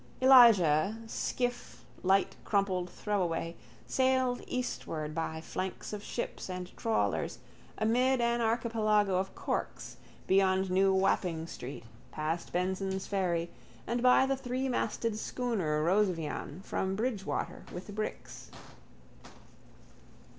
Elijah, skiff, light crumpled throwaway, sailed eastward by flanks of ships and trawlers, amid an archipelago of corks, beyond new Wapping street past Benson's ferry, and by the threemasted schooner Rosevean from Bridgwater with bricks.